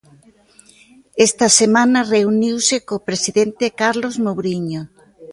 Esta semana reuniuse co presidente Carlos Mouriño.